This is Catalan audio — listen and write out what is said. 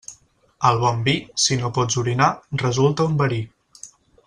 El bon vi, si no pots orinar, resulta un verí.